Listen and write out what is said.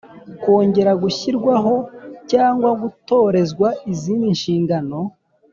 kongera gushyirwaho cyangwa gutorerwa izindi nshingano